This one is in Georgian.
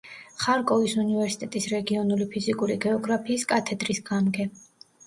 ხარკოვის უნივერსიტეტის რეგიონული ფიზიკური გეოგრაფიის კათედრის გამგე.